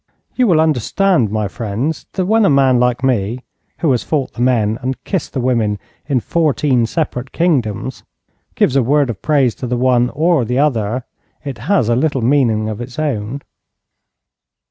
You will understand, my friends, that when a man like me, who has fought the men and kissed the women in fourteen separate kingdoms, gives a word of praise to the one or the other, it has a little meaning of its own.